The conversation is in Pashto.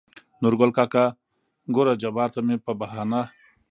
نورګل کاکا: ګوره جباره ته مې په بهانه